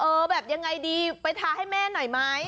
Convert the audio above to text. แบบยังไงดีไปทาให้แม่หน่อยไหม